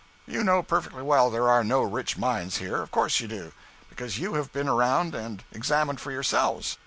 You know perfectly well there are no rich mines here—of course you do. Because you have been around and examined for yourselves.